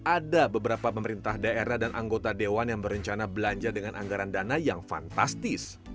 ada beberapa pemerintah daerah dan anggota dewan yang berencana belanja dengan anggaran dana yang fantastis